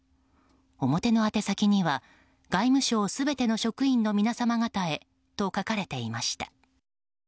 表の宛先には「外務省すべての職員のみなさま方へ」と書かれていました。